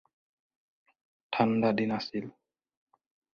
ঠাণ্ডা দিন আছিল।